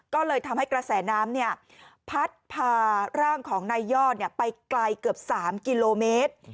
ก็เลยทำให้กระแสน้ำเนี้ยพัดพาร่างของในยอดเนี้ยไปไกลเกือบสามกิโลเมตร